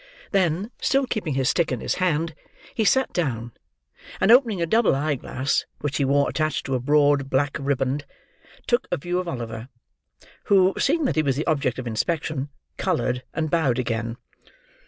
Then, still keeping his stick in his hand, he sat down; and, opening a double eye glass, which he wore attached to a broad black riband, took a view of Oliver: who, seeing that he was the object of inspection, coloured, and bowed again.